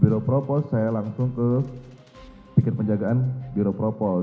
biro propos saya langsung ke pikir penjagaan biro propos